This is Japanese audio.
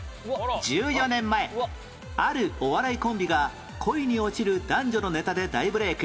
１４年前あるお笑いコンビが恋に落ちる男女のネタで大ブレーク